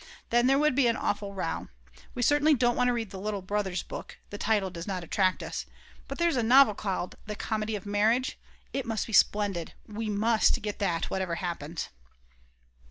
Then there would be an awful row. We certainly don't want to read The Little Brother's Book, the title does not attract us; but there's a novel called The Comedy of Marriage, it must be splendid; we must get that whatever happens.